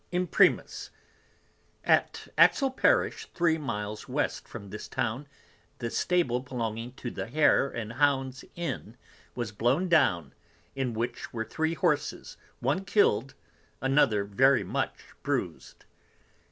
_ Imprimus. At Ashil Parish 3 Miles West from this Town, the Stable belonging to the Hare and Hounds Inn was blown down, in which were three Horses, one kill'd, another very much bruised.